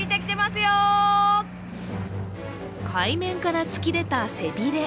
海面から突き出た背びれ。